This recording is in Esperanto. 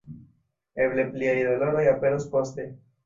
Eble pliaj doloroj aperos poste.